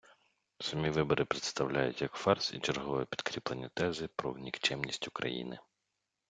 Самі вибори представляють як фарс і чергове підкріплення тези про нікчемність України.